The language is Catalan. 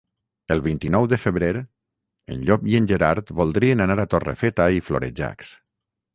El vint-i-nou de febrer en Llop i en Gerard voldrien anar a Torrefeta i Florejacs.